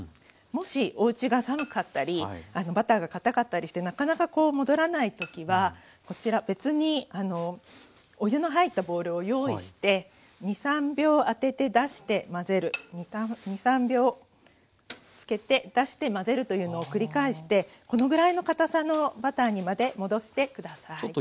もしおうちが寒かったりバターが堅かったりしてなかなか戻らない時はこちら別にお湯の入ったボウルを用意して２３秒当てて出して混ぜる２３秒つけて出して混ぜるというのを繰り返してこのぐらいの固さのバターにまで戻して下さい。